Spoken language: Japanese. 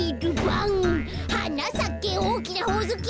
「はなさけおおきなほおずき」